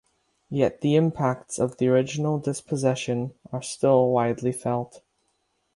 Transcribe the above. Yet the impacts of the original dispossession are still widely felt.